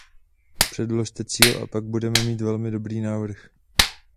Předložte cíl a pak budeme mít velmi dobrý návrh.